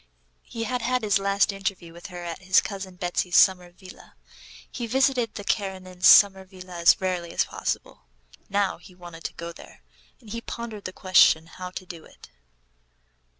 He had had his last interview with her at his cousin Betsy's summer villa. He visited the Karenins' summer villa as rarely as possible. Now he wanted to go there, and he pondered the question how to do it.